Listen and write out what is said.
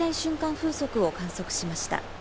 風速を観測しました。